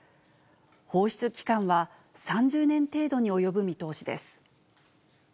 放出期間は３０年程度に及ぶ見通しです。